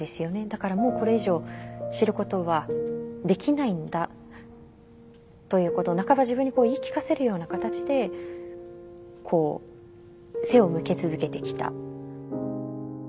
だからもうこれ以上知ることはできないんだということを半ば自分に言い聞かせるような形でこう背を向け続けてきた。